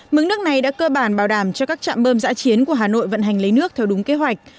mức nước này đã cơ bản bảo đảm cho các trạm bơm giã chiến của hà nội vận hành lấy nước theo đúng kế hoạch